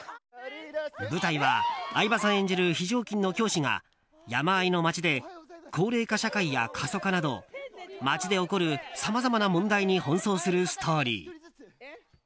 舞台は相葉さん演じる非常勤の教師が山あいの町で高齢化社会や過疎化など町で起こる、さまざまな問題に奔走するストーリー。